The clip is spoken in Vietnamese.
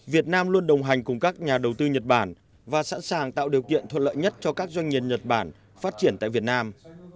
việt nam luôn đồng hành cùng các nhà đầu tư nhật bản và sẵn sàng tạo điều kiện thuận lợi nhất cho các doanh nghiệp nhật bản phát triển tại việt nam